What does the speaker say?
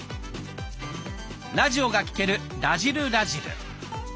ラジオが聴ける「らじる★らじる」。